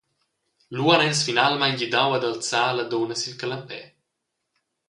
Lu han els finalmein gidau ad alzar la dunna sil canapè.